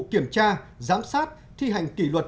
kiểm tra giám sát thi hành kỷ luật